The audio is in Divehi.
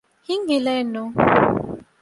ހިތް ހިލައެއް ނޫން